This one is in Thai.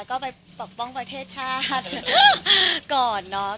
ก็ไปปกป้องประเทศชาติก่อนเนาะ